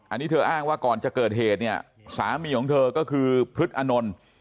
อันนี้เธออ้างว่าก่อนจะเกิดเหตุเนี่ยสามีของเธอก็คือพฤษอนนท์